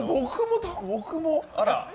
僕も。